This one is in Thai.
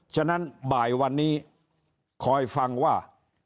ฉะนั้นบ่ายวันนี้คอยฟังว่า